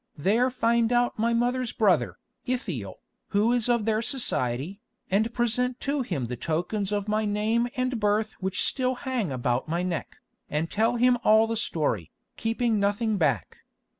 There find out my mother's brother, Ithiel, who is of their society, and present to him the tokens of my name and birth which still hang about my neck, and tell him all the story, keeping nothing back.